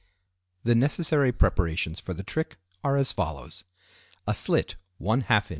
The necessary preparations for the trick are as follows:—A slit ½ in.